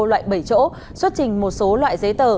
loại bảy chỗ xuất trình một số loại giấy tờ